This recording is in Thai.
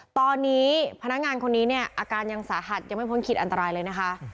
ตอนนี้พนักงานคนนี้เนี่ยอาการยังสาหัสยังไม่พ้นขีดอันตรายเลยนะคะ